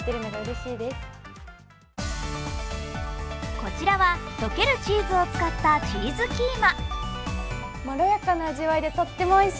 こちらは溶けるチーズを使ったチーズキーマ。